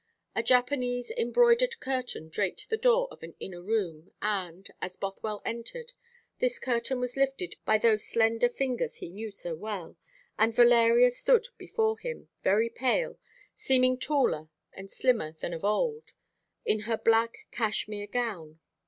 A Japanese embroidered curtain draped the door of an inner room, and, as Bothwell entered, this curtain was lifted by those slender fingers he knew so well, and Valeria stood before him, very pale, seeming taller and slimmer than of old, in her black cashmere gown.